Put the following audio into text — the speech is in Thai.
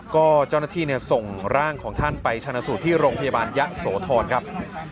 ก็เจ้าหน้าที่ส่งร่างของท่านไปชนะสูตรที่โรงพยาบาลยะโสธรครับ